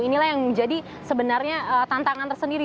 inilah yang menjadi sebenarnya tantangan tersendiri